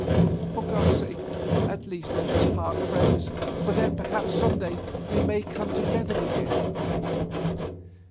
For God's sake, at least let us part friends, for then, perhaps, some day we may come together again."